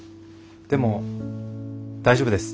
でも大丈夫です。